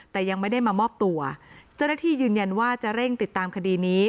แต่ยังไม่ได้มามอบตัวเจ้าหน้าที่ยืนยันว่าจะเร่งติดตามคดีนี้